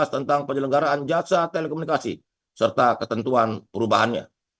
tentang penyelenggaraan jaksa telekomunikasi serta ketentuan perubahannya